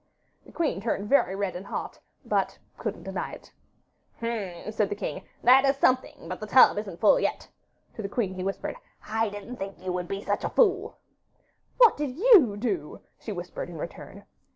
The queen turned very red and hot, but couldn't deny it. 'H m,' said the king; 'that is something, but the tub isn't full yet.' To the queen he whispered, 'I didn't think you would be such a fool.' 'What did YOU do?' she whispered in return.